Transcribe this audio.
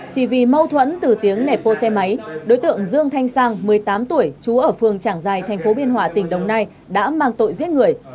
chỉ vì mâu thuẫn từ tiếng nẻp ô xe máy đối tượng dương thanh sang một mươi tám tuổi chú ở phường tràng giài tp biên hòa tỉnh đồng nai đã mang tội giết người